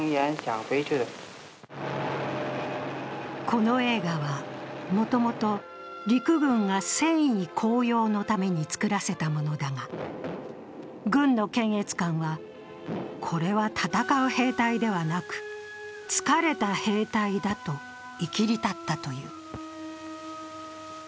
この映画は、もともと陸軍が戦意高揚のために作らせたものだが、軍の検閲官は、これは戦う兵隊ではなく疲れた兵隊だと、いきり立ったという。